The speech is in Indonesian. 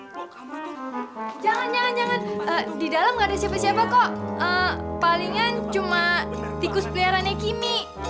jangan jangan jangan di dalam gak ada siapa siapa kok palingan cuma tikus peliharaan ya kimi